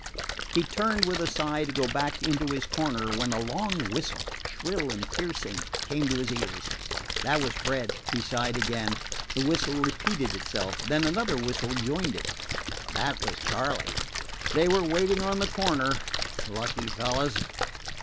He turned, with a sigh, to go back into his corner, when a long whistle, shrill and piercing, came to his ears. That was Fred. He sighed again. The whistle repeated itself. Then another whistle joined it. That was Charley. They were waiting on the corner lucky fellows!